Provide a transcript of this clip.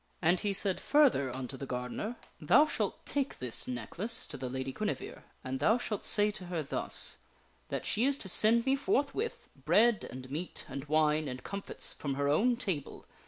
And he ^enLh'th said further unto the gardener :" Thou shalt take this necklace gardener upon to the Lady Guinevere and thou shalt say to her thus : that she '*"" is to send me forthwith bread and meat and wine and comfits from her own table.